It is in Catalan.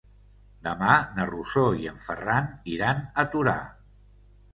Demà na Rosó i en Ferran iran a Torà.